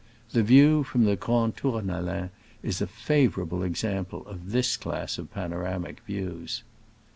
The view from the Grand Tournalin is a favorable example of this class of panoramic views.